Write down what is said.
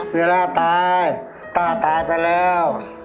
เวลาตายต้าตายไปแล้ว